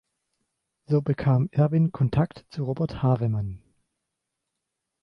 So bekam Erwin Kontakt zu Robert Havemann.